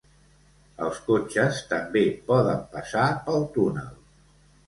Els cotxes també poden passar pel túnel.